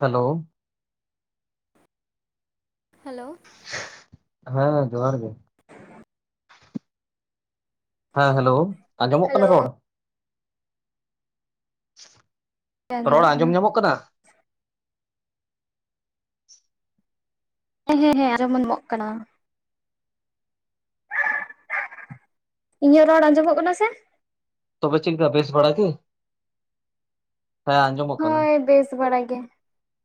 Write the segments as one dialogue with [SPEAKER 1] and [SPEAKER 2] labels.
[SPEAKER 1] Hello!
[SPEAKER 2] Hello!
[SPEAKER 1] ᱦᱮᱸ, ᱡᱚᱦᱟᱨ ᱜᱮ᱾ ᱦᱮᱸ ᱦᱮᱞᱳ ᱟᱸᱡᱚᱢᱚᱜ ᱠᱟᱱᱟ
[SPEAKER 2] ᱦᱮᱞᱳ
[SPEAKER 1] ᱨᱚᱲ
[SPEAKER 2] ᱦᱮᱸ
[SPEAKER 1] ᱨᱚᱲ
[SPEAKER 2] ᱟᱸᱡᱚᱢᱚᱜ
[SPEAKER 1] ᱟᱸᱡᱚᱢ ᱧᱟᱢᱚᱜ ᱠᱟᱱᱟ
[SPEAKER 2] ᱦᱮᱸ ᱦᱮᱸ ᱦᱮᱸ ᱟᱸᱡᱚᱢ ᱧᱟᱢᱚᱜ ᱠᱟᱱᱟ ᱤᱧᱟᱹᱜ ᱨᱚᱲ ᱟᱸᱡᱚᱢᱚᱜ ᱠᱟᱱᱟ ᱥᱮ
[SPEAKER 1] ᱛᱚᱵᱮ ᱪᱤᱠᱟᱹ ᱵᱮᱥ ᱵᱟᱲᱮ ᱜᱮ ᱦᱮᱸ ᱟᱸᱡᱚᱢᱚᱜ ᱠᱟᱱᱟ
[SPEAKER 2] ᱦᱳᱭ ᱵᱮᱥ ᱵᱟᱲᱟ ᱜᱮ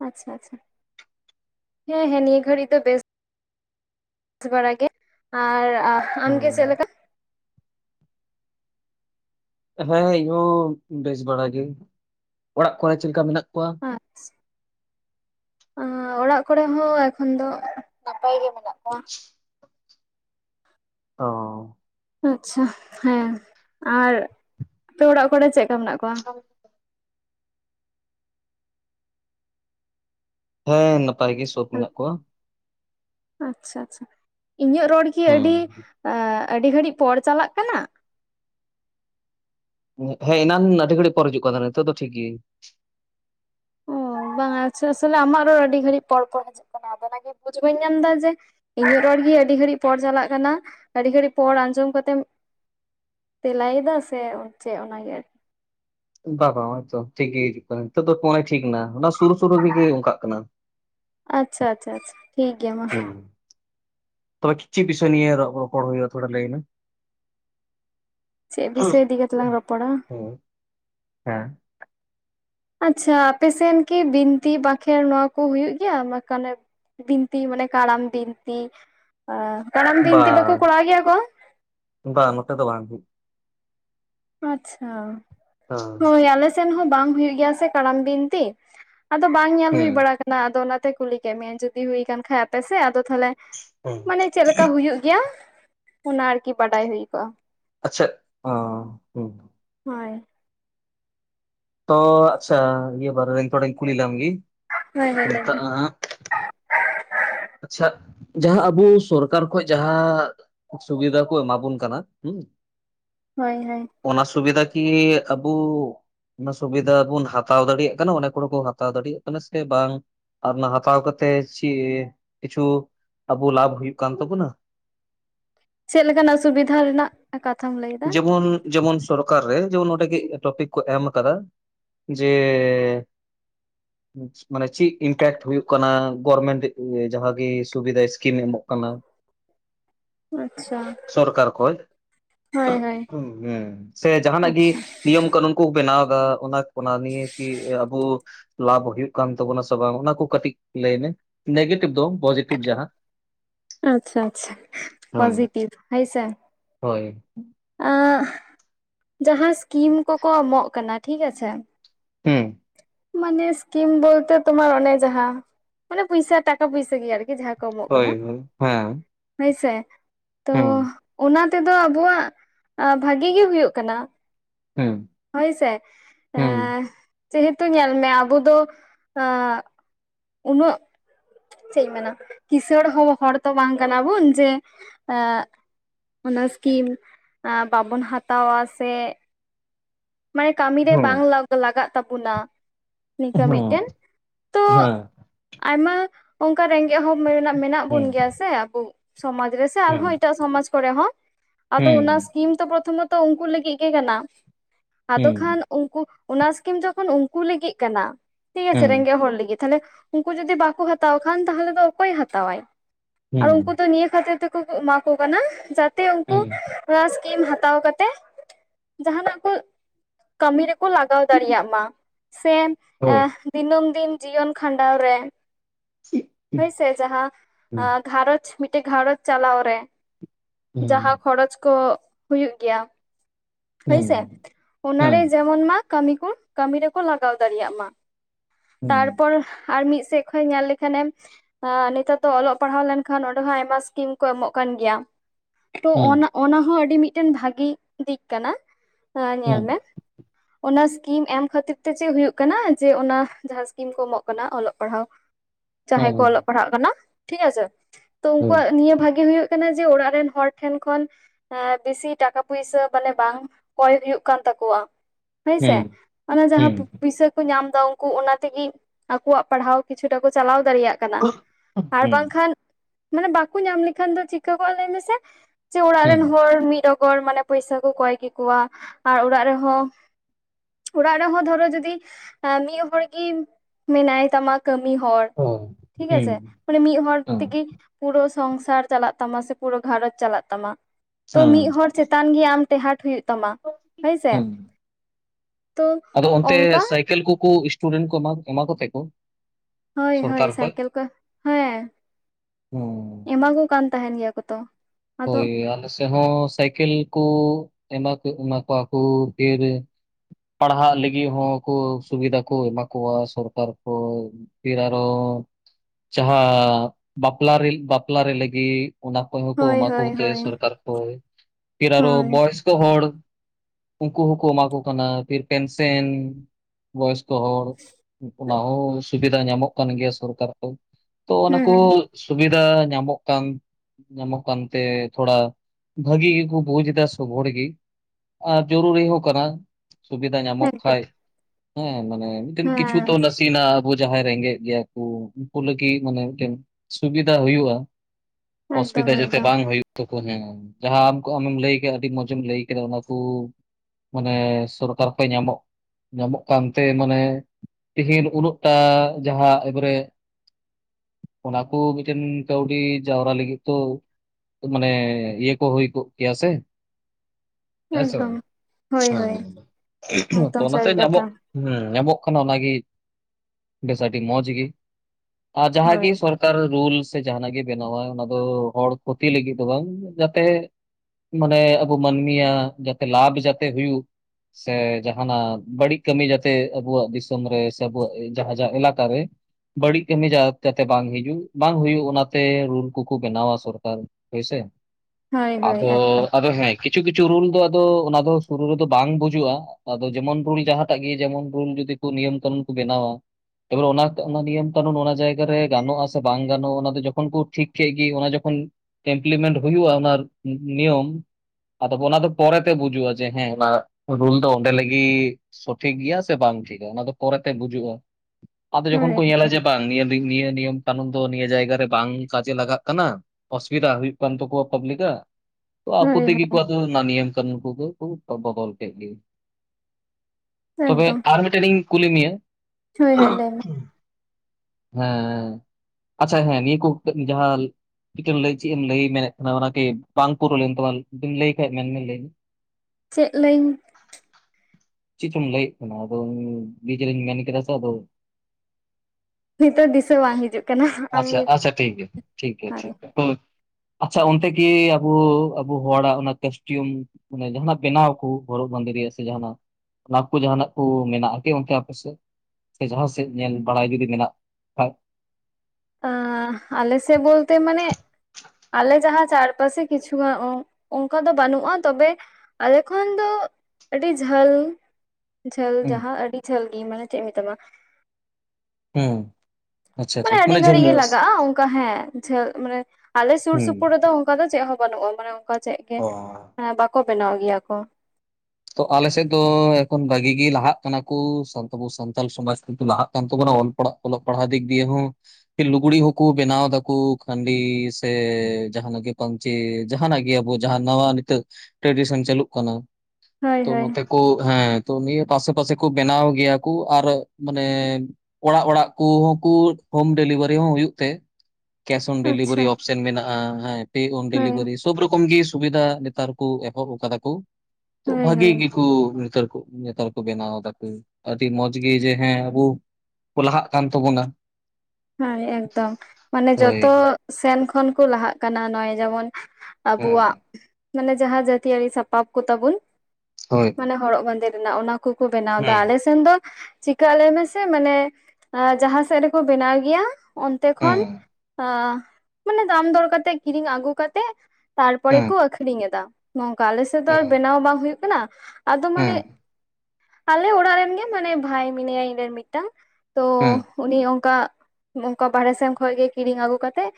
[SPEAKER 2] ᱟᱪᱪᱷᱟ ᱟᱪᱪᱷᱟ ᱦᱮᱸ ᱦᱮᱸ ᱱᱤᱭᱟᱹ ᱜᱷᱟᱹᱲᱤᱡ ᱫᱚ ᱵᱮᱥ ᱵᱮᱥ ᱵᱟᱲᱮ ᱜᱮ ᱟᱨ ᱟᱢᱜᱮ ᱪᱮᱫ
[SPEAKER 1] ᱦᱩᱸ
[SPEAKER 2] ᱞᱮᱠᱟ
[SPEAKER 1] ᱦᱮᱸ ᱤᱧᱦᱚ ᱵᱮᱥ ᱵᱟᱲᱮ ᱜᱮ ᱚᱲᱟᱜ ᱠᱚᱨᱮ ᱪᱮᱫ ᱞᱮᱠᱟ ᱢᱮᱱᱟᱜ ᱠᱚᱣᱟ
[SPEAKER 2] [inaudible] ᱚᱲᱟᱜ ᱠᱚᱨᱮ ᱦᱚᱸ ᱮᱠᱷᱚᱱ ᱫᱚ ᱱᱟᱯᱟᱭᱜᱮ ᱢᱮᱱᱟᱜ ᱠᱚᱣᱟ
[SPEAKER 1] [inaudible] ᱚ
[SPEAKER 2] ᱟᱪᱪᱷᱟ ᱦᱮᱸ ᱟᱨ ᱟᱯᱮ ᱚᱲᱟᱜ ᱠᱚᱨᱮ ᱪᱮᱫ ᱞᱮᱠᱟ ᱢᱮᱱᱟᱜ ᱠᱚᱣᱟ
[SPEAKER 1] [inaudible] ᱦᱮᱸ ᱱᱟᱯᱟᱭ ᱜᱮ ᱥᱚᱵ ᱢᱮᱱᱟᱜ ᱠᱚᱣᱟ
[SPEAKER 2] ᱟᱪᱪᱷᱟ ᱟᱪᱪᱷᱟ ᱤᱧᱟᱹᱜ ᱨᱚᱲ ᱠᱤ
[SPEAKER 1] ᱦᱩᱸ
[SPEAKER 2] ᱟᱹᱰᱤ ᱟᱹᱰᱤ ᱜᱷᱟᱹᱲᱤᱡ ᱯᱚᱨ ᱪᱟᱞᱟᱜ ᱠᱟᱱᱟ
[SPEAKER 1] ᱦᱮᱸ ᱮᱱᱟᱱ ᱟᱹᱰᱤ ᱜᱷᱟᱹᱲᱤᱡ ᱯᱚᱨ ᱦᱤᱡᱩᱜ ᱠᱟᱱᱟ ᱱᱤᱛᱚᱜ ᱫᱚ ᱴᱷᱤᱠ ᱜᱮ
[SPEAKER 2] ᱚ ᱵᱟᱝ ᱟᱪᱪᱷᱟ ᱥᱟᱞᱮ ᱟᱢᱟᱜ ᱨᱚᱲ ᱟᱹᱰᱤ ᱜᱷᱟᱹᱲᱤᱡ ᱯᱚᱲ ᱠᱚ ᱦᱤᱡᱩᱜ ᱠᱟᱱᱟ ᱟᱫᱚ ᱚᱱᱟᱜᱮ ᱵᱩᱡ ᱵᱟᱹᱧ ᱧᱟᱢ ᱮᱫᱟ ᱡᱮ ᱤᱧᱟᱹᱜ ᱨᱚᱲ ᱜᱮ ᱟᱹᱰᱤ ᱜᱷᱟᱹᱲᱤᱡ ᱯᱚᱨ ᱪᱟᱞᱟᱜ ᱠᱟᱱᱟ ᱟᱹᱰᱤ ᱜᱷᱟᱹᱲᱤᱡ ᱯᱚᱨ ᱟᱸᱡᱚᱢ ᱠᱟᱛᱮᱢ ᱛᱮᱞᱟᱭᱫᱟ ᱥᱮ ᱪᱮᱫ ᱚᱱᱟᱜᱮ
[SPEAKER 1] ᱵᱟ ᱵᱟᱝ ᱦᱚᱭᱛᱚ ᱴᱷᱤᱠ ᱜᱤ ᱦᱤᱡᱩᱜ ᱠᱟᱱᱟ ᱱᱤᱛᱚᱜ ᱫᱚ ᱠᱚᱨᱮ ᱴᱷᱤᱠ ᱱᱟ ᱚᱱᱟ ᱥᱩᱨ ᱥᱩᱨ ᱨᱮᱜᱮ ᱚᱱᱠᱟᱜ ᱠᱟᱱᱟ
[SPEAKER 2] ᱟᱪᱪᱷᱟ ᱟᱪᱪᱷᱟ ᱟᱪᱪᱷᱟ ᱴᱷᱤᱠ ᱜᱮᱭᱟ ᱢᱟ
[SPEAKER 1] ᱦᱩᱸ ᱛᱚᱵᱮ ᱪᱤᱜ ᱵᱤᱥᱚᱭ ᱱᱤᱭᱮ ᱨᱚᱠᱚᱲ ᱦᱳᱭᱳᱜᱟ ᱛᱷᱚᱲᱟ ᱞᱟᱹᱭᱢᱮ
[SPEAKER 2] ᱪᱮᱫ ᱵᱤᱥᱚᱭ ᱤᱫᱤ ᱠᱟᱛᱮ ᱞᱟᱝ ᱨᱚᱯᱚᱲᱟ
[SPEAKER 1] ᱦᱮᱸ ᱦᱮᱸ
[SPEAKER 2] ᱟᱪᱪᱷᱟ ᱟᱯᱮᱥᱮᱱ ᱠᱤ ᱵᱤᱱᱛᱤ ᱵᱟᱸᱠᱷᱮᱬ ᱱᱚᱣᱟ ᱠᱚ ᱦᱩᱭᱩᱜ ᱜᱮᱭᱟ [unintelligible] ᱵᱤᱱᱛᱤ ᱢᱟᱱᱮ ᱠᱟᱨᱟᱢ ᱵᱤᱱᱛᱤ ᱠᱟᱨᱟᱢ ᱵᱤᱱᱛᱤ ᱵᱟᱠᱚ ᱠᱚᱨᱟᱣ ᱜᱮᱭᱟ ᱠᱚ
[SPEAKER 1] ᱵᱟ ᱱᱚᱛᱮ ᱫᱚ ᱵᱟᱝ
[SPEAKER 2] ᱟᱪᱪᱷᱟ
[SPEAKER 1] ᱦᱮᱸ
[SPEAKER 2] ᱦᱳᱭ ᱟᱞᱮ ᱥᱮᱱ ᱦᱚᱸ ᱵᱟᱝ ᱦᱩᱭᱩᱜ ᱜᱮᱭᱟ ᱥᱮ ᱠᱟᱨᱟᱢ ᱵᱤᱱᱛᱤ ᱟᱫᱚ ᱵᱟᱝ ᱧᱮᱞ
[SPEAKER 1] ᱦᱩᱸ
[SPEAKER 2] ᱦᱩᱭ ᱵᱟᱲᱟ ᱠᱟᱱᱟ ᱟᱫᱚ ᱚᱱᱟᱛᱮ ᱠᱩᱞᱤ ᱠᱮᱫ ᱢᱮᱭᱟ ᱡᱩᱫᱤ ᱦᱩᱭ ᱠᱟᱱ ᱠᱷᱟᱡ ᱟᱯᱮᱥᱮᱫ ᱟᱫᱚ ᱛᱟᱦᱚᱞᱮ
[SPEAKER 1] ᱦᱮᱸ
[SPEAKER 2] ᱢᱟᱱᱮ ᱪᱮᱫᱞᱮᱠᱟ ᱦᱩᱭᱩᱜ ᱜᱮᱭᱟ ᱚᱱᱟ ᱟᱨᱠᱤ ᱵᱟᱰᱟᱭ ᱦᱩᱭ ᱠᱚᱜᱼᱟ
[SPEAKER 1] ᱟᱪᱪᱷᱟ ᱚ ᱦᱩᱸ
[SPEAKER 2] ᱦᱳᱭ
[SPEAKER 1] ᱛᱚ ᱟᱪᱪᱷᱟ ᱤᱭᱟᱹ ᱵᱟᱨᱮ ᱛᱷᱚᱲᱟᱧ ᱠᱩᱞᱤᱞᱟᱢ ᱜᱤ
[SPEAKER 2] ᱦᱳᱭ ᱦᱳᱭ ᱞᱟᱹᱭ ᱢᱮ
[SPEAKER 1] ᱟᱪᱪᱷᱟ ᱡᱟᱦᱟᱸ ᱟᱵᱚ ᱥᱚᱨᱠᱟᱨ ᱠᱷᱚᱡ ᱡᱟᱦᱟᱸ ᱥᱩᱵᱤᱫᱷᱟ ᱠᱚ ᱮᱢᱟᱵᱚᱱ ᱠᱟᱱᱟ ᱦᱩᱸ
[SPEAKER 2] ᱦᱳᱭ ᱦᱳᱭ
[SPEAKER 1] ᱚᱱᱟ ᱥᱩᱵᱤᱫᱷᱟ ᱠᱤ ᱟᱵᱩ ᱚᱱᱟ ᱥᱩᱵᱤᱫᱷᱟ ᱵᱚᱱ ᱦᱟᱛᱟᱣ ᱫᱟᱲᱮᱭᱟᱜ ᱠᱟᱱᱟ ᱚᱱᱮ ᱠᱚᱨᱮ ᱠᱚ ᱦᱟᱛᱟᱣ ᱫᱟᱲᱮᱭᱟᱜ ᱠᱟᱱᱟ ᱥᱮ ᱵᱟᱝ ᱟᱨ ᱚᱱᱟ ᱦᱟᱛᱟᱣ ᱠᱟᱛᱮᱫ ᱪᱮᱜ ᱠᱤᱪᱷᱩ ᱟᱵᱚ ᱞᱟᱵᱷ ᱦᱩᱭᱩᱜ ᱠᱟᱱ ᱛᱟᱵᱳᱱᱟ
[SPEAKER 2] ᱪᱮᱫ ᱞᱮᱠᱟᱱᱟᱜ ᱥᱩᱵᱤᱫᱷᱟ ᱨᱮᱱᱟᱜ ᱠᱟᱛᱷᱟᱢ ᱞᱟᱹᱭ ᱫᱟ
[SPEAKER 1] ᱡᱮᱢᱚᱱ ᱡᱮᱢᱚᱱ ᱥᱚᱨᱠᱟᱨ ᱨᱮ ᱡᱮᱢᱚᱱ ᱚᱸᱰᱮ ᱜᱮ ᱴᱚᱯᱤᱠ ᱠᱚ ᱮᱢ ᱟᱠᱟᱫᱟ ᱡᱮ ᱢᱟᱱᱮ ᱪᱮᱫ ᱤᱢᱯᱮᱠᱴ ᱦᱩᱭᱩᱜ ᱠᱟᱱᱟ ᱜᱚᱵᱚᱨᱢᱮᱱᱴ ᱡᱟᱦᱟᱸᱟᱜᱮ ᱥᱩᱵᱤᱫᱟ ᱥᱠᱤᱢᱮ ᱮᱢᱚᱜ ᱠᱟᱱᱟ
[SPEAKER 2] ᱟᱪᱪᱷᱟ
[SPEAKER 1] ᱥᱚᱨᱠᱟᱨ ᱠᱷᱚᱡ
[SPEAKER 2] ᱦᱳᱭ ᱦᱳᱭ
[SPEAKER 1] ᱥᱮ ᱡᱟᱦᱟᱱᱟᱜ ᱜᱮ
[SPEAKER 2] ᱟᱪᱪᱷᱟ
[SPEAKER 1] ᱱᱤᱭᱚᱢ ᱠᱟᱹᱱᱩᱱ ᱠᱚ ᱵᱮᱱᱟᱣ ᱫᱟ ᱚᱱᱟ ᱱᱤᱭᱮ ᱠᱤ ᱟᱵᱩ ᱞᱟᱵᱷ ᱦᱩᱭᱩᱜ ᱠᱟᱱ ᱛᱟᱵᱚᱱᱟ ᱥᱮ ᱵᱟᱝ ᱚᱱᱟ ᱠᱚ ᱠᱟᱹᱴᱤᱡ ᱞᱟᱹᱭ ᱢᱮ ᱱᱮᱜᱮ ᱴᱤᱯ ᱫᱚ ᱯᱚᱡᱤᱴᱤᱵᱷ ᱡᱟᱦᱟᱸ
[SPEAKER 2] ᱟᱪᱪᱷᱟ ᱟᱪᱪᱷᱟ
[SPEAKER 1] ᱦᱩᱸ
[SPEAKER 2] ᱯᱚᱡᱤᱴᱤᱵᱷ ᱦᱳᱭ ᱥᱮ
[SPEAKER 1] ᱦᱳᱭ
[SPEAKER 2] ᱟᱸᱜ ᱡᱟᱦᱟᱸ ᱥᱠᱤᱢ ᱠᱚᱠᱚ ᱮᱢᱚᱜ ᱠᱟᱱᱟ ᱴᱷᱤᱜᱟᱪᱷᱮ
[SPEAKER 1] ᱦᱩᱸ
[SPEAKER 2] ᱢᱟᱱᱮ ᱥᱠᱤᱢ ᱵᱚᱞᱛᱮ ᱛᱳᱢᱟᱨ ᱚᱱᱮ ᱡᱟᱦᱟᱸ, ᱢᱟᱱᱮ ᱯᱩᱭᱥᱟ ᱴᱟᱠᱟ ᱯᱩᱭᱥᱟᱹ ᱜᱮ ᱟᱨᱠᱤ ᱡᱟᱦᱟᱸᱼᱼ ᱠᱚᱢᱚᱜ
[SPEAKER 1] ᱦᱳᱭ
[SPEAKER 2] ᱠᱟᱱᱟ
[SPEAKER 1] ᱦᱳᱭ ᱦᱮᱸ
[SPEAKER 2] ᱦᱳᱭᱥᱮ ᱛᱚ
[SPEAKER 1] ᱦᱩᱸ
[SPEAKER 2] ᱚᱱᱟ ᱛᱮᱫᱚ ᱟᱵᱚᱣᱟᱜ ᱟᱸ ᱵᱷᱟᱜᱤ ᱜᱮ ᱦᱩᱭᱩᱜ ᱠᱟᱱᱟ
[SPEAKER 1] ᱦᱩᱸ
[SPEAKER 2] ᱦᱳᱭ ᱥᱮ
[SPEAKER 1] ᱦᱩᱸ
[SPEAKER 2] ᱮᱸ ᱛᱚ ᱧᱮᱞ ᱢᱮ ᱟᱵᱚ ᱫᱚ ᱟᱸ ᱩᱱᱟᱹᱜᱼᱼ ᱪᱮᱫ ᱤᱧ ᱢᱮᱱᱟ ᱠᱤᱥᱟᱹᱲ ᱦᱚᱸ ᱦᱚᱲ ᱛᱚ ᱵᱟᱝ ᱠᱟᱱᱟ ᱵᱩᱱ ᱡᱮ ᱮᱸ ᱚᱱᱟ ᱥᱠᱤᱢ ᱵᱟᱵᱚᱱ ᱦᱟᱛᱟᱣᱟ ᱥᱮᱼᱼ ᱢᱟᱱᱮ ᱠᱟᱹᱢᱤᱨᱮ
[SPEAKER 1] ᱦᱩᱸ
[SPEAKER 2] ᱵᱟᱝ ᱞᱟᱜᱟᱜ ᱛᱟᱵᱚᱱᱟ ᱱᱤᱝᱠᱟᱹ
[SPEAKER 1] ᱦᱩᱸ
[SPEAKER 2] ᱢᱤᱫᱴᱮᱱ ᱛᱳᱜᱼᱼ
[SPEAKER 1] ᱦᱮᱸ
[SPEAKER 2] ᱟᱭᱢᱟ ᱚᱱᱠᱟ ᱨᱮᱸᱜᱮᱡ ᱦᱚᱲ ᱢᱮᱱᱟ ᱢᱮᱱᱟᱜ ᱵᱩᱱ ᱜᱮᱭᱟ ᱥᱮ ᱟᱵᱩ ᱥᱚᱢᱟᱡᱽ ᱨᱮᱼᱼ ᱥᱮ
[SPEAKER 1] ᱦᱩᱸ
[SPEAKER 2] ᱟᱨᱦᱚᱸ ᱮᱴᱟᱜ ᱥᱚᱢᱟᱡᱽ ᱠᱚᱨᱮ ᱦᱚᱸ ᱟᱫᱚ
[SPEAKER 1] ᱦᱩᱸ
[SPEAKER 2] ᱚᱱᱟ ᱥᱠᱤᱢ ᱛᱚ ᱯᱨᱚᱛᱷᱚ ᱢᱚᱛᱚ ᱩᱱᱠᱩ ᱞᱟᱹᱜᱤᱜ ᱜᱮ ᱠᱟᱱᱟ ᱟᱫᱚ
[SPEAKER 1] ᱦᱩᱸ
[SPEAKER 2] ᱠᱷᱟᱱ ᱩᱝᱠᱩ ᱚᱱᱟ ᱥᱠᱤᱢ ᱡᱚᱠᱷᱚᱱ ᱩᱱᱠᱩ ᱞᱤᱜᱤᱜ ᱠᱟᱱᱟ, ᱴᱷᱤᱜᱟᱪᱷᱮ
[SPEAKER 1] ᱦᱩᱸ
[SPEAKER 2] ᱨᱮᱸᱜᱮᱡ ᱦᱚᱲ ᱞᱟᱹᱜᱤᱫ ᱛᱟᱦᱞᱮ ᱩᱝᱠᱩ ᱡᱩᱫᱤ ᱵᱟᱠᱚ ᱦᱟᱛᱟᱣ ᱠᱷᱟᱱ ᱛᱟᱦᱞᱮ ᱫᱚ ᱚᱠᱚᱭ ᱦᱟᱛᱟᱣᱟᱭ ᱟᱨ ᱩᱝᱠᱩ
[SPEAKER 1] ᱦᱩᱸ
[SPEAKER 2] ᱫᱚ ᱱᱤᱭᱟᱹ ᱠᱷᱟᱹᱛᱤᱨ ᱛᱮᱼᱼ ᱩᱝᱠᱩ ᱠᱚ ᱮᱢᱟ ᱠᱚ ᱠᱟᱱᱟ ᱡᱟᱼᱼ
[SPEAKER 1] ᱦᱩᱸ
[SPEAKER 2] ᱛᱷᱚᱲᱟ ᱥᱠᱤᱢ ᱦᱟᱛᱟᱣ ᱠᱟᱛᱮᱫ ᱡᱟᱦᱟᱱᱟᱜ ᱠᱩᱼᱼ ᱠᱟᱹᱢᱤ ᱨᱮᱠᱚ ᱞᱟᱜᱟᱣ ᱫᱟᱲᱮᱭᱟᱜ ᱢᱟ ᱥᱮ ᱮᱸ
[SPEAKER 1] ᱦᱳᱭ
[SPEAKER 2] ᱼᱼ ᱫᱤᱱᱟᱹᱢ ᱫᱤᱱ ᱡᱤᱭᱚᱱ ᱠᱷᱟᱸᱰᱟᱣ ᱨᱮᱼᱼ ᱦᱳᱭᱥᱮ ᱡᱟᱦᱟᱸ
[SPEAKER 1] ᱦᱩᱸ
[SPEAKER 2] ᱟᱸ ᱜᱷᱟᱨᱚᱧᱡᱽ ᱢᱤᱫᱴᱮᱡᱽ ᱜᱷᱟᱸᱨᱚᱧᱡᱽ ᱪᱟᱞᱟᱣ ᱨᱮ
[SPEAKER 1] ᱦᱩᱸ
[SPEAKER 2] ᱡᱟᱦᱟᱸ ᱠᱷᱚᱨᱚᱪ ᱠᱚ ᱦᱩᱭᱩᱜ ᱜᱮᱭᱟ ᱦᱳᱭᱥᱮ ᱚᱱᱟᱨᱮ ᱡᱮᱢᱚᱱ ᱢᱟ ᱠᱟᱹᱢᱤ ᱠᱚ ᱠᱟᱹᱢᱤ ᱨᱮᱠᱚ ᱞᱟᱜᱟᱣ ᱫᱟᱲᱮᱭᱟᱜ ᱢᱟ ᱛᱟᱨᱯᱚᱨ ᱟᱨ ᱢᱤᱫᱥᱮᱫ ᱠᱷᱚᱡᱽ ᱧᱮᱞ ᱞᱮᱠᱷᱟᱱᱮᱢᱼᱼ ᱟᱸ ᱱᱤᱛᱚᱜ ᱛᱚ ᱚᱞᱚᱜ ᱯᱟᱲᱦᱟᱣ ᱞᱮᱱᱠᱷᱟᱱ ᱚᱸᱰᱮᱦᱚ ᱟᱭᱢᱟ ᱥᱠᱤᱢ ᱠᱚ ᱮᱢᱚᱜ ᱠᱟᱱ ᱜᱮᱭᱟ ᱛᱚ ᱚᱱᱟ ᱚᱱᱟᱦᱚᱸ ᱟᱹᱰᱤ ᱢᱤᱫᱴᱮᱱ ᱵᱷᱟᱹᱜᱤ ᱫᱤᱠ ᱠᱟᱱᱟ ᱟᱸ ᱧᱮᱞ ᱢᱮ ᱚᱱᱟ ᱥᱠᱤᱢ ᱮᱢ ᱠᱷᱟᱹᱛᱤᱨ ᱛᱮ ᱪᱮᱫ ᱦᱳᱭᱳᱜ ᱠᱟᱱᱟ ᱡᱮ ᱚᱱᱟ ᱡᱟᱦᱟᱸ ᱥᱠᱤᱢ ᱠᱚ ᱮᱢᱚᱜ ᱠᱟᱱᱟ ᱚᱞᱚᱜ ᱯᱟᱲᱦᱟᱣ
[SPEAKER 1] ᱤ [inaudible]
[SPEAKER 2] ᱡᱟᱦᱟᱸᱭ ᱠᱚ ᱚᱞᱚᱜ ᱯᱟᱲᱦᱟᱜ ᱠᱟᱱᱟ, ᱴᱷᱤ ᱜᱟᱪᱷᱮ ᱛᱳ ᱩᱱᱠᱩᱣᱟᱜ ᱱᱤᱭᱟᱹ ᱵᱷᱟᱜᱤ ᱦᱩᱭᱩᱜ ᱼᱼ ᱠᱟᱱᱟ ᱡᱮ ᱚᱲᱟᱜ ᱨᱮᱱ ᱦᱚᱲ ᱴᱷᱮᱱ ᱠᱷᱚᱱ ᱮᱸ ᱵᱤᱥᱤ ᱴᱟᱠᱟ ᱯᱩᱭᱥᱟᱹᱼᱼ ᱢᱟᱱᱮ ᱵᱟᱝ ᱠᱚᱭ ᱦᱩᱭᱩᱜ ᱠᱟᱱ ᱛᱟᱠᱚᱣᱟ ᱦᱳᱭᱥᱮ ᱚᱱᱟ ᱡᱟᱦᱟᱸ
[SPEAKER 1] ᱦᱮᱸ᱾
[SPEAKER 2] ᱯᱩᱭᱥᱟᱹᱼᱼ ᱠᱚ ᱧᱟᱢ ᱫᱟ ᱩᱱᱠᱩ ᱚᱱᱟ ᱛᱮᱜᱮ ᱟᱠᱚᱣᱟᱜ ᱯᱟᱲᱦᱟᱣ ᱠᱤᱪᱷᱩᱴᱟ ᱠᱚ ᱪᱟᱞᱟᱣ ᱫᱟᱲᱮᱭᱟᱜᱼᱼ ᱠᱟᱱᱟ ᱟᱨ ᱵᱟᱝᱠᱷᱟᱱ ᱢᱟᱱᱮ ᱵᱟᱠᱚ ᱧᱟᱢ ᱞᱮᱠᱷᱟᱱ ᱫᱚ ᱪᱤᱠᱟᱹ ᱠᱚᱜᱼᱟ ᱞᱟᱹᱭ ᱢᱮᱥᱮ ᱡᱮ ᱚᱲᱟᱜ ᱨᱮᱱ ᱦᱚᱲ ᱢᱤᱫ ᱨᱚᱜᱚᱲ ᱢᱟᱱᱮ ᱯᱚᱭᱥᱟ ᱠᱚ ᱠᱚᱭ ᱠᱮᱠᱚᱣᱟ ᱟᱨ ᱚᱲᱟᱜ ᱨᱮᱦᱚᱸᱼᱼ ᱚᱲᱟᱜ ᱨᱮᱦᱚᱸ ᱫᱷᱚᱨᱚ ᱡᱩᱫᱤ ᱢᱤᱫ ᱦᱚᱲ ᱜᱮ ᱢᱮᱱᱟᱭ ᱛᱟᱢᱟᱼᱼ ᱠᱟᱹᱢᱤ ᱦᱚᱲ ᱴᱷᱤᱜᱟᱪᱷᱮ ᱢᱟᱱᱮ ᱢᱤᱫ ᱦᱚᱲ ᱛᱮᱜᱮ ᱯᱩᱨᱟᱹ ᱥᱚᱝᱥᱟᱨ ᱪᱟᱞᱟᱜ ᱛᱟᱢᱟ ᱥᱮ ᱯᱩᱨᱟᱹ ᱜᱷᱟᱨᱚᱸᱧᱡᱽ ᱪᱟᱞᱟᱜ ᱛᱟᱢᱟ ᱛᱳ ᱢᱤᱫ ᱦᱚᱲ ᱪᱮᱛᱟᱱ ᱜᱮ ᱟᱢ ᱴᱮᱸᱦᱟᱰᱽ ᱦᱩᱭᱩᱜ ᱛᱟᱢᱟ ᱦᱳᱭ ᱥᱮ᱾
[SPEAKER 1] ᱟᱫᱚ ᱚᱱᱛᱮ ᱥᱟᱭᱠᱮᱞ ᱠᱳᱠᱳ ᱥᱴᱩᱰᱮᱱᱴ ᱠᱚ ᱮᱢᱟᱣ, ᱮᱢᱟᱣ ᱠᱚ ᱛᱟᱦᱮᱫ ᱠᱚ?
[SPEAKER 2] ᱦᱳᱭ
[SPEAKER 1] ᱥᱚᱨᱠᱟᱨ
[SPEAKER 2] ᱦᱳᱭ
[SPEAKER 1] ᱠᱷᱚᱡ?
[SPEAKER 2] ᱥᱟᱭᱠᱮᱞ ᱠᱚ, ᱦᱮᱸ
[SPEAKER 1] ᱦᱮᱸ᱾
[SPEAKER 2] ᱮᱢᱟ ᱠᱚ ᱠᱟᱱ ᱛᱟᱦᱮᱱ ᱜᱮᱭᱟ ᱠᱚᱛᱚ
[SPEAKER 1] ᱦᱳᱭ ᱟᱞᱮ ᱥᱮᱫ ᱦᱚᱸ ᱥᱟᱭᱠᱮᱞ ᱠᱳ ᱮᱢᱟ, ᱮᱢᱟ ᱠᱚᱣᱟ ᱠᱳ ᱰᱮᱨ ᱯᱟᱲᱦᱟᱜ ᱞᱟᱹᱜᱤᱫ ᱦᱚᱸ ᱠᱳ ᱥᱩᱵᱤᱫᱟ ᱠᱳ ᱮᱢᱟ ᱠᱳᱣᱟ ᱥᱚᱨᱠᱟᱨ ᱠᱳ ᱯᱷᱮᱨ ᱟᱨᱚ ᱡᱟᱦᱟᱸ ᱵᱟᱯᱞᱟ ᱨᱮ ᱵᱟᱯᱞᱟ ᱨᱮ ᱞᱟᱹᱜᱤᱫ ᱚᱱᱟᱼᱼ ᱚᱠᱚᱭ ᱦᱚᱸᱠᱚ
[SPEAKER 2] ᱦᱳᱭ
[SPEAKER 1] ᱮᱢᱟ ᱠᱚ
[SPEAKER 2] ᱦᱳᱭ
[SPEAKER 1] ᱛᱟᱦᱮ
[SPEAKER 2] ᱦᱳᱭ
[SPEAKER 1] ᱥᱚᱨᱠᱟᱨ ᱠᱷᱚᱡᱽ ᱯᱷᱮᱨ ᱟᱨᱚ
[SPEAKER 2] ᱦᱳᱭ
[SPEAKER 1] ᱵᱚᱭᱚᱥ ᱠᱚ ᱦᱚᱲᱼᱼ ᱩᱱᱠᱩ ᱦᱚᱸ ᱠᱳ ᱮᱢᱟ ᱠᱳ ᱠᱟᱱᱟ ᱯᱷᱮᱨ ᱯᱮᱱᱥᱮᱱᱼᱼ ᱵᱚᱭᱚᱥᱠᱚ ᱦᱚᱲ, ᱚᱱᱟ ᱦᱚᱸ ᱥᱩᱵᱤᱫᱷᱟ ᱧᱟᱢᱚᱜ ᱠᱟᱱ ᱜᱮᱭᱟ ᱥᱚᱨᱠᱟᱨ ᱠᱷᱚᱡᱽ ᱛᱚ ᱚᱱᱟ
[SPEAKER 2] ᱦᱩᱸ
[SPEAKER 1] ᱠᱳ
[SPEAKER 2] ᱦᱩᱸ
[SPEAKER 1] ᱥᱩᱵᱤᱫᱟ ᱧᱟᱢᱚᱜ ᱠᱟᱱ ᱧᱟᱢᱚᱜ ᱠᱟᱱᱼᱼ ᱛᱮ ᱛᱷᱚᱲᱟ ᱵᱷᱟᱹᱜᱤ ᱜᱮ ᱠᱚ ᱵᱷᱳᱡᱽ ᱫᱟ ᱥᱳᱜᱳᱲ ᱜᱮ ᱟᱨ ᱡᱚᱨᱩᱨᱤ ᱦᱚᱸ ᱠᱟᱱᱟ ᱥᱩᱵᱤᱫᱷᱟ ᱧᱟᱢᱚᱜ
[SPEAKER 2] ᱮᱠᱫᱚᱢ
[SPEAKER 1] ᱠᱷᱟᱡ ᱦᱮᱸ ᱢᱟᱱᱮ ᱢᱤᱫᱴᱮᱱ ᱠᱤᱪᱷᱩ ᱛᱚ
[SPEAKER 2] ᱦᱮᱸ
[SPEAKER 1] ᱱᱟᱥᱮ ᱤᱥᱤᱱᱟ [unintelligible] ᱟᱵᱚ ᱡᱟᱦᱟᱸᱭ ᱨᱮᱸᱜᱮᱡ ᱜᱮᱭᱟ ᱠᱚ ᱩᱱᱠᱩ ᱞᱟᱹᱜᱤᱫ ᱢᱟᱱᱮ ᱢᱤᱫᱴᱮᱱ ᱥᱩᱵᱤᱫᱷᱟ ᱦᱩᱭᱩᱜᱼᱟ
[SPEAKER 2] ᱮᱠᱫᱚᱢ
[SPEAKER 1] ᱚᱥᱩᱵᱤᱫᱷᱟ [unintelligible]
[SPEAKER 2] ᱮᱠᱫᱚᱢ
[SPEAKER 1] ᱦᱩᱭᱩᱜ ᱛᱟᱠᱚ ᱦᱮᱸ ᱡᱟᱦᱟᱸ ᱟᱠᱚ ᱟᱢᱮᱢ ᱞᱟᱹᱭ ᱠᱮᱜᱼᱟ ᱟᱹᱰᱤ ᱢᱚᱸᱡᱽ ᱮᱢ ᱞᱟᱹᱭ ᱠᱮᱫᱟ ᱚᱱᱟ ᱫᱚ ᱢᱟᱱᱮ ᱥᱚᱨᱠᱟᱨ ᱠᱷᱚᱡ ᱧᱟᱢᱚᱜ ᱧᱟᱢᱚᱜ ᱠᱟᱱᱛᱮ ᱢᱟᱱᱮ ᱛᱮᱦᱮᱧ ᱩᱱᱟᱹᱜᱴᱟ ᱡᱟᱦᱟᱸ ᱮᱠᱵᱟᱨᱮ ᱚᱱᱟ ᱠᱩ ᱢᱤᱫᱴᱮᱱ ᱠᱟᱹᱣᱰᱤ ᱡᱟᱣᱨᱟ ᱞᱟᱹᱜᱤᱫ ᱛᱚ ᱢᱟᱱᱮ ᱤᱭᱟᱹ ᱠᱚ ᱦᱩᱭ ᱠᱚᱜ ᱠᱮᱭᱟ ᱥᱮ ᱦᱮᱸᱥᱮ
[SPEAKER 2] ᱮᱠᱫᱚᱢ
[SPEAKER 1] ᱵᱟᱝᱚ
[SPEAKER 2] ᱦᱳᱭ ᱦᱳᱭ ᱮᱠᱫᱚᱢ
[SPEAKER 1] ᱚᱱᱟᱛᱮ
[SPEAKER 2] ᱥᱟᱹᱨᱤ ᱠᱟᱛᱷᱟ
[SPEAKER 1] ᱧᱟᱢᱚᱜ ᱦᱮ ᱧᱟᱢᱚᱜ ᱠᱟᱱᱟ ᱚᱱᱟᱜᱤ ᱵᱮᱥ ᱟᱹᱰᱤ ᱢᱚᱸᱡᱽ ᱜᱤ ᱟᱨ
[SPEAKER 2] ᱦᱳᱭ
[SPEAKER 1] ᱡᱟᱦᱟᱸᱜᱤ ᱥᱚᱨᱠᱟᱨ ᱥᱚᱨᱠᱟᱨ ᱨᱩᱞ ᱥᱮ ᱡᱟᱦᱟᱱᱟᱜ ᱜᱤ ᱵᱮᱱᱟᱣᱟᱭ ᱚᱱᱟ ᱫᱚ ᱦᱚᱲ ᱠᱷᱚᱛᱤ ᱞᱟᱹᱜᱤᱫ ᱫᱚ ᱵᱟᱝ ᱡᱟᱛᱮ ᱢᱟᱱᱮ ᱟᱵᱚ ᱢᱟᱹᱱᱢᱤᱭᱟᱜ ᱡᱟᱛᱮ ᱞᱟᱵᱷ ᱡᱟᱛᱮ ᱦᱩᱭᱩᱜ ᱥᱮ ᱡᱟᱦᱟᱸᱱᱟᱜ ᱵᱟᱹᱲᱤᱡ ᱠᱟᱹᱢᱤ ᱡᱟᱛᱮ ᱟᱵᱩᱣᱟᱜ ᱫᱤᱥᱚᱢ ᱨᱮ ᱥᱮ ᱟᱵᱚᱣᱟᱜ ᱡᱟᱦᱟᱸ ᱡᱟᱦᱟᱸ ᱮᱞᱟᱠᱟᱟᱨᱮ ᱵᱟᱹᱲᱤᱡ ᱠᱟᱹᱢᱤ ᱡᱟ ᱡᱟᱛᱮ ᱵᱟᱝ ᱦᱤᱡᱩᱜ ᱵᱟᱝ ᱦᱩᱭᱩᱜ ᱚᱱᱟᱛᱮ ᱨᱩᱞ ᱠᱚᱠᱚ ᱵᱮᱱᱟᱣᱟ ᱥᱚᱨᱠᱟᱨ ᱦᱳᱭᱥᱮ
[SPEAKER 2] ᱦᱳᱭ ᱦᱳᱭ
[SPEAKER 1] ᱟᱫᱚ
[SPEAKER 2] ᱮᱠᱫᱚᱢ
[SPEAKER 1] ᱟᱫᱚ ᱦᱮᱸ ᱠᱤᱪᱷᱩ ᱠᱤᱪᱷᱩ ᱨᱩᱞ ᱫᱚ ᱟᱫᱚ ᱚᱱᱟ ᱫᱚ ᱥᱩᱨᱩ ᱨᱮᱫᱚ ᱵᱟᱝ ᱵᱩᱡᱩᱜᱼᱟ ᱟᱫᱚ ᱡᱮᱢᱚᱱ ᱨᱩᱞ ᱡᱟᱦᱟᱸ ᱴᱟᱜ ᱜᱮ ᱡᱮᱢᱚᱱ ᱨᱩᱞ ᱡᱚᱫᱤ ᱠᱚ ᱱᱤᱭᱚᱢ ᱠᱟᱹᱱᱩᱱ ᱠᱚ ᱵᱮᱱᱟᱣᱟ ᱮᱵᱟᱨ ᱚᱱᱟ [unintelligible] ᱢᱟ ᱱᱤᱭᱚᱢ ᱠᱟᱹᱱᱩᱱ ᱚᱱᱟ ᱡᱟᱭᱜᱟᱟᱨ ᱜᱟᱱᱚᱜᱼ ᱟ ᱥᱮ ᱵᱟᱝ ᱜᱟᱱᱚᱜᱼᱟ ᱚᱱᱟ ᱫᱚ ᱡᱚᱠᱷᱚᱱ ᱠᱚ ᱴᱷᱤᱠ ᱠᱮᱫ ᱜᱮ ᱚᱱᱟ ᱡᱚᱠᱷᱚᱱ ᱮᱢᱯᱞᱤᱢᱮᱱᱴ ᱦᱩᱭᱩᱜᱼᱟ ᱚᱱᱟ ᱱᱤᱭᱚᱢ ᱟᱫᱚ ᱚᱱᱟ ᱫᱚ ᱯᱚᱨᱮᱛᱮ ᱵᱩᱡᱩᱜᱼᱟ ᱡᱮ ᱦᱮᱸ ᱚᱱᱟ ᱨᱩᱞ ᱫᱚ ᱚᱸᱰᱮ ᱞᱟᱹᱜᱤᱫ ᱥᱚᱴᱷᱤᱠ ᱜᱮᱭᱟ ᱥᱮ ᱵᱟᱝ ᱴᱷᱤᱠᱟ ᱚᱱᱟ ᱫᱚ ᱯᱚᱨᱮᱛᱮ ᱵᱩᱡᱩᱜᱼᱟ ᱟᱫᱚ ᱡᱚᱠᱷᱚᱱ
[SPEAKER 2] ᱦᱳᱭ
[SPEAKER 1] ᱠᱚ ᱧᱮᱞᱟ ᱡᱮ ᱵᱟᱝ ᱱᱤᱭᱟᱹ ᱱᱤᱭᱟᱹ ᱱᱤᱭᱚᱢ ᱠᱟᱱᱩᱱ ᱫᱚ ᱱᱤᱭᱟᱹ ᱡᱟᱭᱜᱟᱨᱮ ᱵᱟᱝ ᱠᱟᱡᱮ ᱞᱟᱜᱟᱜ ᱠᱟᱱᱟ ᱚᱥᱩᱵᱤᱫᱟ ᱦᱩᱭᱩᱜ ᱠᱟᱱ ᱛᱟᱠᱚᱣᱟ ᱯᱟᱵᱽᱞᱤᱠᱟᱜ ᱛᱚ ᱟᱠᱚ
[SPEAKER 2] ᱦᱳᱭ
[SPEAKER 1] ᱛᱮᱜᱮ ᱠᱚ ᱚᱱᱟ ᱱᱤᱭᱚᱢ ᱠᱟᱱᱩᱱ ᱠᱚᱠᱚ ᱵᱚᱫᱚᱞ ᱠᱮᱫ ᱜᱮ
[SPEAKER 2] ᱦᱳᱭ
[SPEAKER 1] ᱛᱚᱵᱮ
[SPEAKER 2] ᱮᱠᱫᱚᱢ
[SPEAKER 1] ᱟᱨ ᱢᱤᱫᱴᱮᱱᱤᱧ ᱠᱩᱞᱤ ᱢᱮᱭᱟ
[SPEAKER 2] ᱦᱳᱭ ᱦᱳᱭ ᱞᱟᱹᱭ ᱢᱮ
[SPEAKER 1] ᱦᱮᱸ ᱟᱪᱪᱷᱟ ᱦᱮᱸ ᱱᱤᱭᱟᱹ ᱠᱚ ᱡᱟᱦᱟᱸ ᱢᱤᱫᱴᱮᱱ ᱞᱟᱹᱭ ᱪᱮᱫ ᱮᱢ ᱞᱟᱹᱭ ᱢᱮᱱᱮᱫ ᱛᱟᱦᱮᱱᱟ ᱚᱱᱟ ᱠᱤ ᱵᱟᱝ ᱯᱩᱨᱟᱹᱣ ᱞᱮᱱ ᱛᱟᱢᱟ ᱞᱟᱹᱭ ᱠᱷᱟᱡ ᱢᱮᱱ ᱢᱮ ᱞᱟᱹᱭᱢᱮ
[SPEAKER 2] ᱪᱮᱫ ᱞᱟᱹᱭ ᱤᱧ
[SPEAKER 1] [inaudible] ᱪᱮᱫ ᱪᱚᱢ ᱞᱟᱹᱭᱮᱫ ᱛᱟᱦᱮᱱᱟ ᱟᱫᱚᱧ ᱢᱮᱱ ᱠᱮᱫᱟ ᱛᱚ ᱟᱫᱚ
[SPEAKER 2] ᱱᱤᱛᱚᱜ ᱫᱤᱥᱟᱹ ᱵᱟᱝ ᱦᱤᱡᱩᱜ ᱠᱟᱱᱟ ᱟᱢ
[SPEAKER 1] ᱟᱪᱪᱷᱟ
[SPEAKER 2] ᱦᱳᱭ
[SPEAKER 1] ᱟᱪᱪᱷᱟ ᱴᱷᱤᱠ ᱜᱮᱭᱟ ᱴᱷᱤᱠ ᱜᱮᱭᱟ ᱴᱷᱤᱠ ᱜᱮᱭᱟ ᱟᱪᱪᱷᱟ ᱚᱱᱛᱮ ᱠᱤ ᱟᱵᱚ ᱟᱵᱚ ᱦᱚᱲᱟᱜ ᱚᱱᱟ ᱠᱚᱥᱴᱤᱭᱩᱢ ᱢᱟᱱᱮ ᱡᱟᱦᱟᱸᱱᱟᱜ ᱵᱮᱱᱟᱣᱟᱠᱩ ᱦᱚᱨᱚᱜ ᱵᱟᱸᱫᱮ ᱨᱮᱭᱟᱜ ᱥᱮ ᱡᱟᱦᱟᱸᱱᱟᱜ ᱚᱱᱟ ᱠᱚ ᱡᱟᱦᱟᱸᱱᱟᱜ ᱠᱩ ᱢᱮᱱᱟᱜᱼᱟ ᱠᱤ ᱚᱱᱛᱮ ᱟᱯᱮ ᱥᱮᱫ? ᱥᱮ ᱡᱟᱦᱟᱸ ᱥᱮᱫ ᱧᱮᱞ ᱵᱟᱲᱟᱭ ᱡᱩᱫᱤ ᱢᱮᱱᱟᱜ ᱠᱷᱟᱡ
[SPEAKER 2] ᱟᱸ ᱟᱞᱮ ᱥᱮ ᱵᱚᱞᱛᱮ ᱢᱟᱱᱮ ᱟᱞᱮ ᱡᱟᱦᱟᱸ ᱪᱟᱨᱯᱟᱥᱮ ᱠᱤᱪᱷᱩ ᱜᱟᱱ ᱚᱱᱠᱟ ᱫᱚ ᱵᱟᱹᱱᱩᱜᱼᱟ ᱛᱚᱵᱮ ᱟᱞᱮ ᱠᱷᱚᱱ ᱫᱚ ᱟᱹᱰᱤ ᱡᱷᱟᱹᱞ ᱡᱷᱟᱹᱞ
[SPEAKER 1] ᱦᱩᱸ
[SPEAKER 2] ᱡᱟᱦᱟᱸ ᱟᱹᱰᱤ ᱡᱷᱟᱹᱞ ᱜᱮ ᱢᱟᱱᱮ ᱪᱮᱫ ᱤᱧ ᱢᱮᱛᱟᱢᱟ
[SPEAKER 1] ᱦᱩᱸ ᱟᱪᱪᱷᱟ ᱟᱪᱪᱷᱟ
[SPEAKER 2] ᱢᱟᱱᱮ ᱟᱹᱰᱤ
[SPEAKER 1] ᱡᱷᱟᱹᱞ
[SPEAKER 2] ᱜᱷᱟᱹᱲᱤᱡ ᱜᱮ
[SPEAKER 1] ᱧᱚᱜ ᱥ
[SPEAKER 2] ᱞᱟᱜᱟᱜᱼᱟ ᱚᱱᱠᱟ ᱦᱮᱸ ᱡᱷᱟᱹᱞ ᱢᱟᱱᱮ ᱟᱞᱮ ᱥᱩᱨ
[SPEAKER 1] ᱦᱩᱸ
[SPEAKER 2] ᱥᱩᱯᱩᱨ ᱨᱮᱫᱚ ᱚᱱᱠᱟ ᱫᱚ ᱪᱮᱫ ᱦᱚᱸ ᱵᱟᱹᱱᱩᱜᱼᱟ ᱢᱟᱱᱮ ᱚᱱᱠᱟ ᱪᱮᱫ ᱜᱮ
[SPEAKER 1] ᱚ
[SPEAKER 2] ᱦᱮᱸ ᱵᱟᱠᱚ ᱵᱮᱱᱟᱣ ᱜᱮᱭᱟ ᱠᱚ
[SPEAKER 1] ᱛᱚ ᱟᱞᱮᱥᱮᱫ ᱫᱚ ᱮᱠᱷᱚᱱ ᱵᱷᱟᱜᱤ ᱜᱤ ᱞᱟᱦᱟᱜ ᱠᱟᱱᱟ ᱠᱩ ᱟᱵᱚ ᱥᱟᱱᱛᱟᱞ ᱥᱚᱢᱟᱡᱽ ᱠᱤᱱᱛᱩ ᱞᱟᱦᱟᱜ ᱠᱟᱱ ᱛᱟᱵᱚᱱᱟ ᱚᱞᱚᱜ ᱯᱟᱲᱦᱟᱣ ᱫᱤᱠ ᱫᱤᱭᱮ ᱦᱚᱸ ᱞᱩᱜᱽᱲᱤ ᱦᱚᱠᱚ ᱵᱮᱱᱟᱣ ᱫᱟᱠᱩ ᱠᱷᱟᱹᱰᱤ ᱥᱮ ᱡᱟᱦᱱᱟᱜ ᱜᱮ ᱡᱮ ᱡᱟᱦᱟᱸᱱᱟᱜ ᱜᱮ ᱟᱵᱚ ᱡᱟᱦᱟᱸ ᱱᱟᱣᱟ ᱱᱤᱛᱚᱜ ᱴᱨᱟᱰᱤᱥᱮᱱ ᱪᱟᱹᱞᱩᱜ ᱠᱟᱱᱟ
[SPEAKER 2] ᱦᱳᱭ
[SPEAKER 1] ᱛᱚ
[SPEAKER 2] ᱦᱳᱭ
[SPEAKER 1] ᱱᱚᱛᱮ ᱠᱚ ᱦᱮᱸ ᱛᱚ ᱱᱤᱭᱟᱹ ᱯᱟᱥᱮ ᱯᱟᱥᱮ ᱠᱚ ᱵᱮᱱᱟᱣ ᱜᱮᱭᱟ ᱠᱚ ᱟᱨ ᱢᱟᱱᱮ ᱚᱲᱟᱜ ᱚᱲᱟᱜ ᱠᱩ ᱦᱚᱸᱠᱩ ᱦᱳᱢ ᱰᱮᱞᱤᱵᱷᱟᱨᱤ ᱦᱚᱸ ᱦᱩᱭᱩᱜ ᱛᱮ ᱠᱮᱥ ᱚᱱ
[SPEAKER 2] ᱟᱪᱪᱷᱟ
[SPEAKER 1] ᱰᱮᱞᱤᱵᱷᱟᱨᱤ ᱚᱯᱥᱮᱱ ᱢᱮᱱᱟᱜᱼᱟ ᱦᱮᱸ ᱯᱮ ᱚᱱ
[SPEAKER 2] ᱦᱳᱭ
[SPEAKER 1] ᱰᱮᱞᱤᱵᱷᱟᱨᱤ ᱥᱚᱵ ᱨᱚᱠᱚᱢ ᱜᱮ ᱥᱩᱵᱤᱫᱷᱟ ᱱᱮᱛᱟᱨ ᱠᱩ ᱮᱦᱚᱵ ᱟᱠᱟᱫᱟ ᱠᱩ ᱛᱚ
[SPEAKER 2] ᱦᱳᱭ
[SPEAKER 1] ᱵᱷᱟᱜᱤ
[SPEAKER 2] ᱦᱳᱭ
[SPEAKER 1] ᱜᱤ ᱠᱩ ᱱᱮᱛᱟᱨ ᱠᱩ ᱵᱮᱱᱟᱣ ᱫᱟᱠᱩ ᱟᱹᱰᱤ ᱢᱚᱸᱡᱽ ᱜᱤ ᱡᱮ ᱦᱮᱸ ᱟᱵᱩ ᱠᱚ ᱞᱟᱦᱟᱜ ᱠᱟᱱ ᱛᱟᱵᱚᱱᱟ
[SPEAKER 2] ᱦᱮᱸ ᱮᱠᱫᱚᱢ ᱢᱟᱱᱮ
[SPEAKER 1] ᱦᱳᱭ
[SPEAKER 2] ᱡᱚᱛᱚ ᱥᱮᱱ ᱠᱷᱚᱱ ᱠᱚ ᱞᱟᱦᱟᱜ ᱠᱟᱱᱟ ᱱᱚᱜᱼᱚᱭ ᱡᱮᱢᱚᱱ ᱟᱵᱚᱣᱟᱜ
[SPEAKER 1] ᱦᱮᱸ
[SPEAKER 2] ᱢᱟᱱᱮ ᱡᱟᱦᱟᱸ ᱡᱟᱹᱛᱤᱭᱟᱹᱨᱤ ᱥᱟᱯᱟᱵ ᱠᱚ ᱛᱟᱵᱚᱱ
[SPEAKER 1] ᱦᱳᱭ
[SPEAKER 2] ᱢᱟᱱᱮ ᱦᱚᱨᱚᱜ ᱵᱟᱸᱫᱮ ᱨᱮᱱᱟᱜ ᱚᱱᱟ ᱠᱩᱠᱚ ᱵᱮᱱᱟᱣᱫᱟ
[SPEAKER 1] ᱦᱮᱸ
[SPEAKER 2] ᱟᱞᱮ ᱥᱮᱱ ᱫᱚ ᱪᱤᱜᱼᱠᱟ ᱞᱟᱹᱭ ᱢᱮᱥᱮ ᱢᱟᱱᱮ ᱡᱟᱦᱟᱸ ᱥᱮᱫ ᱨᱮᱠᱚ ᱵᱮᱱᱟᱣ ᱜᱮᱭᱟ ᱚᱱᱛᱮ ᱠᱷᱚᱱ
[SPEAKER 1] ᱦᱮᱸ
[SPEAKER 2] ᱟᱸ ᱢᱟᱱᱮ ᱫᱟᱢ ᱫᱚᱨ ᱠᱟᱛᱮᱜ ᱠᱤᱨᱤᱧ ᱟᱹᱜᱩ ᱠᱟᱛᱮᱜ ᱛᱟᱨᱯᱚᱨᱮ
[SPEAKER 1] ᱦᱮᱸ
[SPEAKER 2] ᱠᱚ ᱟᱠᱷᱨᱤᱧ ᱮᱫᱟ ᱱᱚᱝᱠᱟ ᱟᱞᱮ ᱥᱮᱫ ᱫᱚ
[SPEAKER 1] ᱦᱮᱸ
[SPEAKER 2] ᱟᱨ ᱵᱮᱱᱟᱣ ᱵᱟᱝ ᱦᱩᱭᱩᱜ ᱠᱟᱱᱟ ᱟᱫᱚ ᱢᱟᱱᱮ
[SPEAKER 1] ᱦᱮᱸ
[SPEAKER 2] ᱟᱞᱮ ᱚᱲᱟᱜ ᱨᱮᱱ ᱜᱮ ᱢᱟᱱᱮ ᱵᱷᱟᱭ ᱢᱮᱱᱟᱭᱟ ᱤᱧ ᱨᱮᱱ ᱢᱤᱫᱴᱟᱝ ᱛᱚ
[SPEAKER 1] ᱦᱮᱸ
[SPEAKER 2] ᱩᱱᱤ ᱚᱱᱠᱟ ᱚᱱᱠᱟ ᱵᱟᱦᱨᱮ ᱥᱮᱱ ᱠᱷᱚᱡᱜᱮ ᱠᱤᱨᱤᱧ ᱟᱹᱜᱩ ᱠᱟᱛᱮᱜ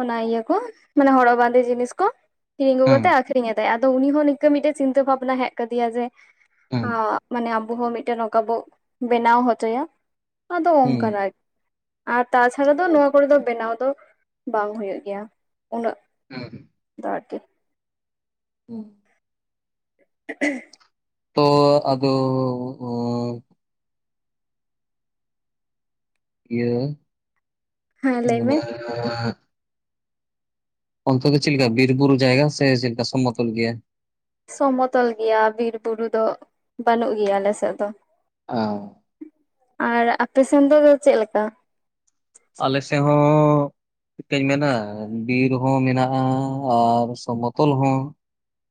[SPEAKER 2] ᱚᱱᱟ ᱤᱭᱟᱹ ᱠᱚ ᱢᱟᱱᱮ ᱦᱚᱨᱚᱜ ᱵᱟᱸᱫᱮ ᱡᱤᱱᱤᱥ ᱠᱚ ᱠᱤᱨᱤᱧ
[SPEAKER 1] ᱦᱮᱸ
[SPEAKER 2] ᱟᱹᱜᱩ
[SPEAKER 1] ᱦᱮᱸ
[SPEAKER 2] ᱠᱟᱛᱮ ᱟᱠᱷᱨᱤᱧ ᱮᱫᱟᱭ ᱟᱫᱚ ᱩᱱᱤ ᱦᱚᱸ ᱱᱤᱝᱠᱟᱹ ᱢᱤᱫᱴᱮᱡ ᱪᱤᱱᱛᱟᱹ ᱵᱷᱟᱵᱱᱟ ᱦᱮᱡ ᱠᱟᱫᱮᱭᱟ ᱡᱮ ᱦᱚ ᱢᱟᱱᱮ ᱟᱵᱚ ᱦᱚᱸ ᱢᱤᱫᱴᱮᱱ ᱱᱚᱝᱠᱟ ᱵᱚ ᱵᱮᱱᱟᱣ ᱦᱚᱪᱚᱭᱟ ᱟᱫᱚ ᱚᱝᱠᱟ
[SPEAKER 1] ᱦᱮᱸ
[SPEAKER 2] ᱨᱟᱭ ᱟᱨ ᱛᱟᱪᱷᱟᱲᱟ ᱫᱚ ᱱᱚᱣᱟ ᱠᱚᱨᱮ ᱫᱚ ᱵᱮᱱᱟᱣ ᱫᱚ ᱵᱟᱝ ᱦᱩᱭᱩᱜ ᱜᱮᱭᱟ ᱩᱱᱟᱹᱜ
[SPEAKER 1] ᱦᱩᱸ ᱦᱩᱸ
[SPEAKER 2] ᱫᱚ ᱟᱨᱠᱤ
[SPEAKER 1] ᱦᱩᱸ
[SPEAKER 2] ᱦᱮ
[SPEAKER 1] ᱛᱚ ᱟᱫᱚ ᱤᱭᱟᱹ
[SPEAKER 2] ᱦᱮᱸ ᱞᱟᱹᱭ ᱢᱮ
[SPEAKER 1] ᱚᱱᱛᱚᱛ ᱪᱮᱫ ᱞᱮᱠᱟ ᱵᱤᱨ ᱵᱩᱨᱩ ᱡᱟᱭᱜᱟ ᱥᱮ ᱪᱮᱫ ᱞᱮᱠᱟ ᱥᱚᱢᱚᱛᱚᱞ ᱜᱮᱭᱟ?
[SPEAKER 2] ᱥᱚᱢᱚᱛᱚᱞ ᱜᱮᱭᱟ ᱵᱤᱨ ᱵᱩᱨᱩ ᱫᱚ ᱵᱟᱹᱱᱩᱜ ᱜᱮᱭᱟ ᱟᱞᱮᱥᱮᱫ ᱫᱚ᱾
[SPEAKER 1] ᱟᱸ
[SPEAKER 2] ᱟᱨ ᱟᱯᱮ ᱥᱮᱱ ᱫᱚ ᱪᱮᱫ ᱞᱮᱠᱟ?
[SPEAKER 1] ᱟᱞᱮ ᱥᱮᱫ ᱦᱚᱸ ᱪᱮᱫᱠᱟᱧ ᱢᱮᱱᱟ ᱵᱤᱨ ᱦᱚᱸ ᱢᱮᱱᱟᱜᱼᱟ ᱟᱨ ᱥᱚᱢᱚᱛᱚᱞ ᱦᱚᱸ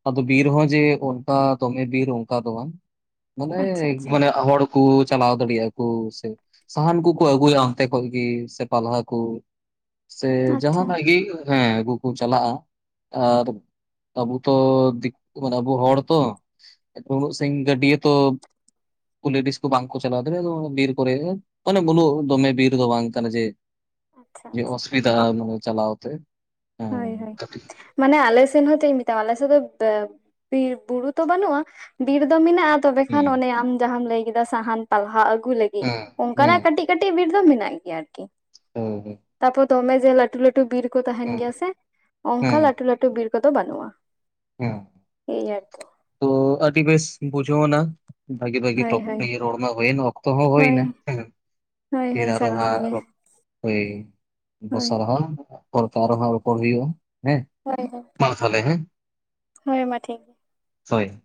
[SPEAKER 1] ᱟᱫᱚ ᱵᱤᱨ ᱦᱚᱸ ᱡᱮ ᱚᱱᱠᱟ ᱫᱚᱢᱮ ᱵᱤᱨ ᱚᱱᱠᱟ ᱫᱚ ᱵᱟᱝ ᱢᱟᱱᱮ
[SPEAKER 2] ᱟᱪᱪᱷᱟ ᱟᱪᱪᱷᱟ
[SPEAKER 1] ᱢᱟᱱᱮ ᱟᱣᱟᱲ ᱠᱩ ᱪᱟᱞᱟᱣ ᱫᱟᱲᱮᱭᱟᱜᱼᱟ ᱠᱩ ᱥᱮ ᱥᱟᱦᱟᱱ ᱠᱚᱠᱚ ᱟᱹᱜᱩᱭᱟ ᱚᱱᱛᱮ ᱠᱷᱚᱡ ᱜᱤ ᱥᱮ ᱯᱟᱞᱦᱟ ᱠᱚ ᱥᱮ
[SPEAKER 2] ᱟᱪᱪᱷᱟ
[SPEAKER 1] ᱡᱟᱦᱟᱸᱱᱟᱜ ᱜᱤ ᱦᱮᱸ ᱟᱹᱜᱩ ᱠᱚ ᱪᱟᱞᱟᱜᱼᱟ ᱟᱨ ᱟᱵᱩᱛᱚ ᱫᱤᱠᱩ ᱢᱟᱱᱮ ᱟᱵᱚ ᱦᱚᱲ ᱛᱚ ᱩᱱᱟᱹᱜ ᱥᱟᱺᱜᱤᱧ ᱜᱟᱹᱰᱭᱟᱹ ᱛᱚ ᱞᱮᱰᱤᱥ ᱠᱚ ᱵᱟᱝ ᱠᱚ ᱪᱞᱟᱣ ᱫᱟᱲᱮᱭᱟᱜ ᱵᱤᱨ ᱠᱚᱨᱮ ᱢᱟᱱᱮ ᱵᱚᱞ ᱫᱚᱢᱮ ᱵᱤᱨ ᱫᱚ ᱵᱟᱝ ᱠᱟᱱᱟ ᱡᱮ
[SPEAKER 2] ᱟᱪᱪᱷᱟ ᱟᱪᱪᱷᱟ
[SPEAKER 1] ᱚᱥᱩᱵᱤᱫᱷᱟ ᱪᱟᱞᱟᱣ ᱛᱮ
[SPEAKER 2] ᱦᱳᱭ
[SPEAKER 1] ᱦᱩᱸ
[SPEAKER 2] ᱦᱳᱭ ᱢᱟᱱᱮ ᱟᱞᱮ ᱥᱮᱱᱦᱚᱸ ᱪᱮᱫ ᱤᱧ ᱢᱮᱛᱟᱢᱟ ᱟᱞᱮᱥᱮᱫ ᱫᱚ ᱵᱮ ᱵᱤᱨ ᱵᱩᱨᱩ ᱛᱚ ᱵᱟᱹᱱᱩᱜᱼᱟ ᱵᱤᱨ ᱫᱚ ᱢᱮᱱᱟᱜᱼᱟ ᱾ ᱛᱚᱵᱮ
[SPEAKER 1] ᱦᱩᱸ
[SPEAKER 2] ᱠᱷᱟᱱ ᱚᱱᱮ ᱟᱢ ᱡᱟᱦᱟᱸᱢ ᱞᱟᱹᱭ ᱠᱮᱫᱟ ᱥᱟᱦᱟᱱ ᱯᱟᱞᱦᱟ ᱟᱹᱜᱩ ᱞᱟᱹᱜᱤᱫ
[SPEAKER 1] ᱦᱩᱸ
[SPEAKER 2] ᱚᱱᱠᱟᱱᱟᱜ ᱠᱟᱹᱴᱤᱡ ᱠᱟᱹᱴᱤᱡ ᱵᱤᱨ ᱫᱚ ᱢᱮᱱᱟᱜ ᱜᱮᱭᱟ ᱟᱨᱠᱤ
[SPEAKER 1] ᱦᱩᱸ
[SPEAKER 2] ᱛᱟᱯᱚᱨ ᱫᱚᱢᱮ ᱡᱮ ᱞᱟᱟᱹᱴᱩ ᱞᱟᱹᱴᱩ ᱵᱤᱨ ᱠᱚ ᱛᱟᱦᱮᱱ ᱜᱮᱭᱟ᱾ ᱚᱱᱠᱟ
[SPEAKER 1] ᱦᱩᱸ
[SPEAKER 2] ᱞᱟᱹᱴᱩ ᱞᱟᱹᱴᱩ ᱵᱤᱨ ᱠᱚᱫᱚ ᱵᱟᱹᱱᱩᱜᱼᱟ᱾
[SPEAKER 1] ᱦᱮᱸ
[SPEAKER 2] ᱮᱭ ᱛ
[SPEAKER 1] ᱳ ᱟᱹᱰᱤ ᱵᱮᱥ ᱵᱩᱡᱷᱟᱹᱣᱱᱟ ᱵᱟᱟᱜᱤ ᱵᱟᱟᱜᱤ
[SPEAKER 2] ᱦᱳᱭ
[SPEAKER 1] ᱴᱚᱯ
[SPEAKER 2] ᱦᱳᱭ
[SPEAKER 1] ᱠᱚᱨᱮᱜᱤ ᱨᱚᱲᱢᱮ ᱦᱳᱭᱮᱱ ᱚᱠᱛ ᱦᱚᱸ
[SPEAKER 2] ᱦᱳᱭ
[SPEAKER 1] ᱦᱳᱭᱱᱟ᱾
[SPEAKER 2] ᱦᱳᱭ
[SPEAKER 1] ᱯᱷᱤᱨ
[SPEAKER 2] ᱦᱳᱭ
[SPEAKER 1] ᱟᱨᱦᱚ
[SPEAKER 2] ᱥᱟᱨᱦᱟᱣ
[SPEAKER 1] ᱦᱟᱸᱜ
[SPEAKER 2] ᱜᱮ
[SPEAKER 1] ᱳᱭ
[SPEAKER 2] ᱦᱳᱭ
[SPEAKER 1] ᱵᱥᱟ ᱨᱮᱦᱚᱸ ᱯᱚᱨᱛᱮ ᱟᱨᱦᱚᱸ ᱱᱟᱜ ᱨᱚᱯᱚᱲ ᱦᱩᱭᱩᱜᱼᱟ ᱦᱮᱸ
[SPEAKER 2] ᱦᱳᱭ ᱦᱳᱭ
[SPEAKER 1] ᱢᱟ ᱛᱟᱦᱚᱞᱮ ᱦᱮᱸ
[SPEAKER 2] ᱦᱳᱭ ᱢᱟ ᱴᱷᱤᱠ
[SPEAKER 1] ᱦᱳᱭ